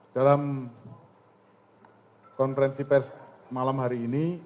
dalam konferensi pers malam hari ini